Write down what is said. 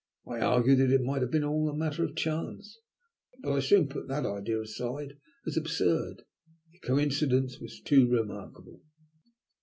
I argued that it might have been all a matter of chance, but I soon put that idea aside as absurd. The coincidence was too remarkable.